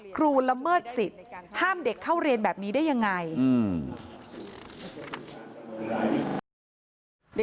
ครูละเมิดสิทธิ์ห้ามเด็กเข้าเรียนแบบนี้ได้อย่างไร